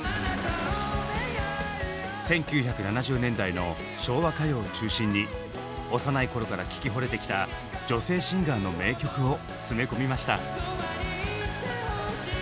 １９７０年代の昭和歌謡を中心に幼い頃から聴きほれてきた女性シンガーの名曲を詰め込みました。